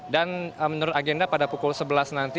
dan menurut agenda pada pukul sebelas nanti